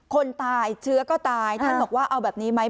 คนตายเชื้อก็ตายท่านบอกว่าเอาแบบนี้ไหม